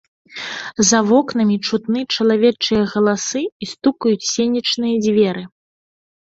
За вокнамі чутны чалавечыя галасы, і стукаюць сенечныя дзверы.